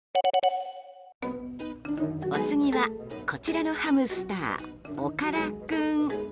お次は、こちらのハムスターおから君。